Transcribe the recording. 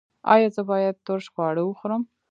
ایا زه باید ترش خواړه وخورم؟